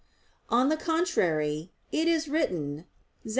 On the contrary, It is written (Zech.